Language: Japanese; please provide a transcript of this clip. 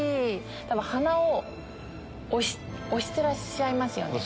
鼻を押してらっしゃいますよね。